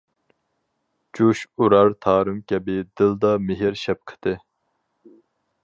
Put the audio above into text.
جۇش ئۇرار تارىم كەبى دىلدا مېھىر-شەپقىتى.